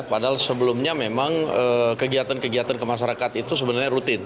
padahal sebelumnya memang kegiatan kegiatan kemasyarakat itu sebenarnya rutin